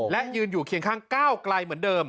และยืนอยู่เคียงข้างก้าวไกลเหมือนเดิม